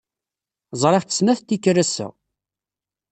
Ẓriɣ-tt snat n tikkal ass-a.